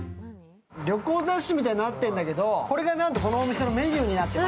旅行雑誌みたいになってるんだけど、これがなんとこのお店のメニューみたいになってる。